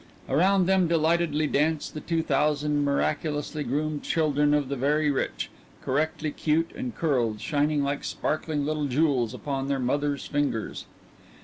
Around them delightedly danced the two thousand miraculously groomed children of the very rich, correctly cute and curled, shining like sparkling little jewels upon their mothers' fingers.